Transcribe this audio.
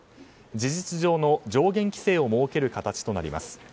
事実上の上限規制を設ける形となります。